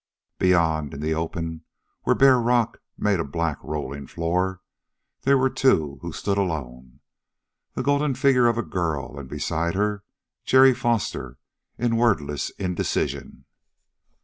Beyond, in the open, where bare rock made a black rolling floor, there were two who stood alone. The golden figure of a girl, and beside her, Jerry Foster, in wordless indecision.